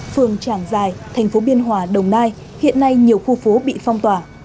phường trảng giài thành phố biên hòa đồng nai hiện nay nhiều khu phố bị phong tỏa